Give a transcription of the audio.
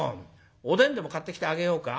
おでんでも買ってきてあげようか」。